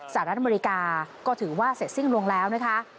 สหรัฐอเมริกาก็ถือว่าเสร็จสิ้นลงแล้วนะคะ